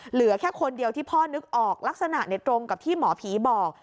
เหลือแค่คนเดียวที่พ่อนึกออกลักษณะตรงกับที่หมอผีบอก